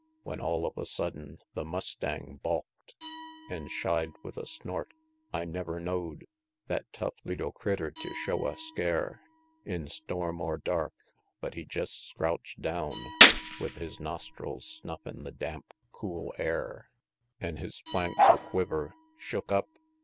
When all of a sudden the mustang balked, An' shied with a snort; I never know'd Thet tough leetle critter tew show a scare In storm or dark; but he jest scrouch'd down, With his nostrils snuffin' the damp, cool air, XXII. An' his flanks a quiver. Shook up?